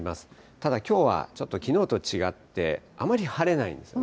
ただ、きょうはちょっときのうと違って、あまり晴れないんですよね。